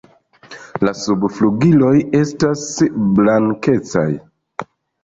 La subflugiloj estas blankecaj.